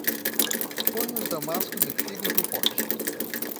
Ponha os damascos e figos no pote